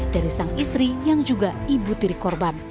dari sang istri yang juga ibu tiri korban